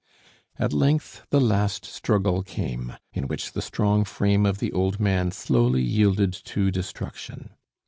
At length the last struggle came, in which the strong frame of the old man slowly yielded to destruction.